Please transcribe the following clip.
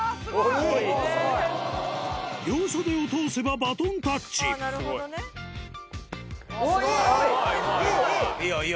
両袖を通せばバトンタッチおぉいいいい！